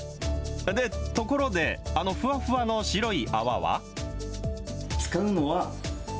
で、ところで、あのふわふわの白い泡は？